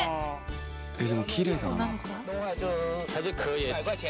えっでもきれいだなあ。